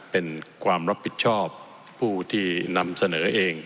เป็นความรับผิดชอบผู้ที่นำเสนอเอง